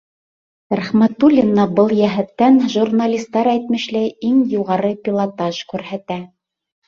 Рәхмәтуллина был йәһәттән, журналистар әйтмешләй, иң юғары пилотаж күрһәтә.